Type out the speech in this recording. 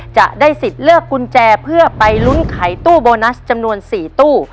จะได้สิทธิ์เลือกกุญแจเพื่อไปลุ้นไขตู้โบนัสจำนวน๔ตู้